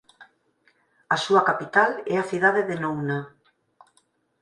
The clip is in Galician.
A súa capital é a cidade de Nouna.